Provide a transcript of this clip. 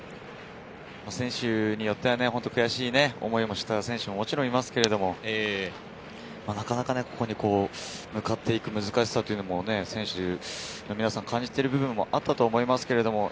選手によっては悔しい思いもした選手もいますけれども、なかなかここに向かっていく難しさというのも選手の皆さん、感じてる部分もあったと思いますけど。